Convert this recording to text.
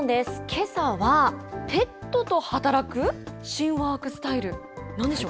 けさは、ペットと働く新ワークスタイル。